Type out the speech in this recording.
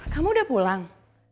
kamu udah pulang